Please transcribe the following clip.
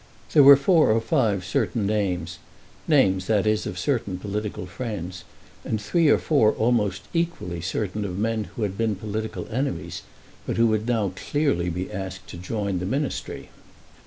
There were four or five certain names, names that is of certain political friends, and three or four almost equally certain of men who had been political enemies, but who would now clearly be asked to join the ministry.